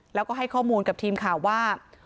แล้วก็ให้ข้อมูลกับทีมข่าวว่า